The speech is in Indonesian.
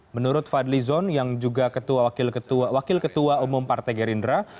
menurut fadli zon yang juga wakil ketua umum partai gerindra